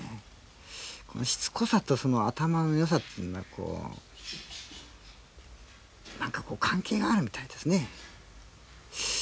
このしつこさと頭のよさっていうのは関係があるみたいですね。